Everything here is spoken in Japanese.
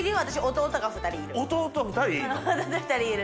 弟２人いる。